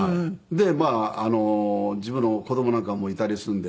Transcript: でまあ自分の子供なんかもいたりするんで。